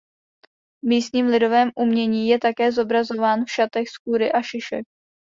V místním lidovém umění je také zobrazován v šatech z kůry a šišek.